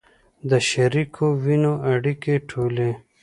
د شریکو وینو اړیکې ټولې